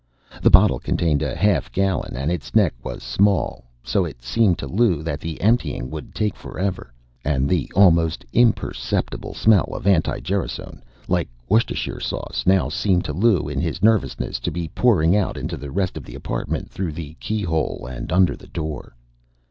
The bottle contained a half gallon, and its neck was small, so it seemed to Lou that the emptying would take forever. And the almost imperceptible smell of anti gerasone, like Worcestershire sauce, now seemed to Lou, in his nervousness, to be pouring out into the rest of the apartment, through the keyhole and under the door.